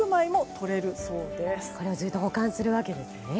これをずっと保管するわけですね。